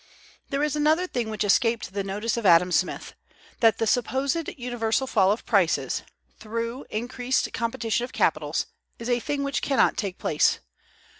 There is another thing which escaped the notice of Adam Smith; that the supposed universal fall of prices, through increased competition of capitals, is a thing which can not take place.